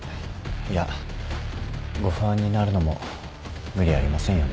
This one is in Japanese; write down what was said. いやご不安になるのも無理ありませんよね。